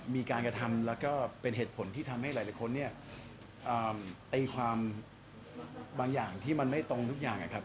มีการกระทำแล้วก็เป็นเหตุผลที่ทำให้หลายคนเนี่ยตีความบางอย่างที่มันไม่ตรงทุกอย่างนะครับ